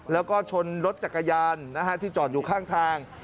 แล้วก็ชนรถจักรยานที่จอดอยู่ข้างทาง